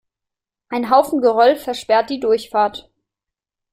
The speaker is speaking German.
Ein Haufen Geröll versperrt die Durchfahrt.